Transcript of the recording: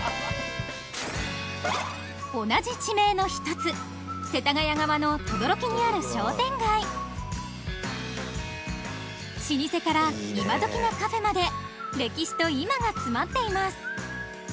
同じ地名の１つ世田谷側の等々力にある商店街老舗から今どきのカフェまで歴史と今が詰まっています